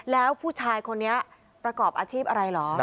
แล้วผู้ชายคนนี้ประกอบอาชีพอะไรเหรอ